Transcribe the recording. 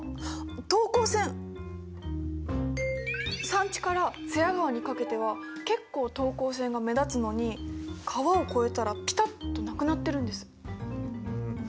山地から津屋川にかけては結構等高線が目立つのに川を越えたらピタッとなくなってるんです。